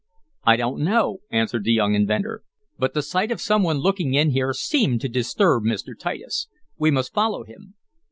"I don't know," answered the young inventor. "But the sight of some one looking in here seemed to disturb Mr. Titus. We must follow him."